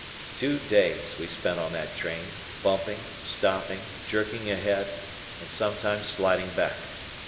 Two days we spent on that train, bumping, stopping, jerking ahead, and sometimes sliding back.